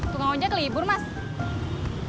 tunggak ojak libur mas